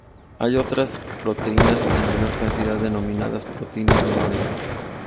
Hay otras proteínas en menor cantidad denominadas proteínas menores.